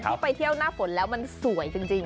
ไปเที่ยวหน้าฝนแล้วมันสวยจริง